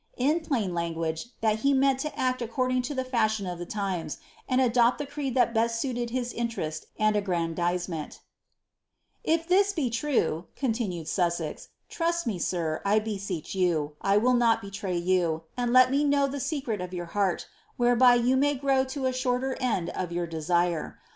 In plain ladguag0| suit to act according to the fashion of the times, and adopt that best suited his interest and aggrandizement be true," continued Sussex, trust me, sir, I beseech you, I will not and let me know the secret of your heart, whereby you may grow r end of your desire.